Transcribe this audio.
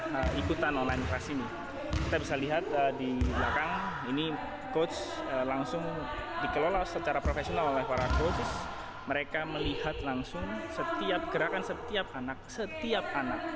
mereka melihat langsung setiap gerakan setiap anak